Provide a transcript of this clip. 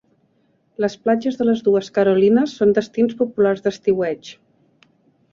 Les platges de les dues Carolinas són destins populars d'estiueig.